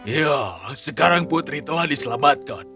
ya sekarang putri telah diselamatkan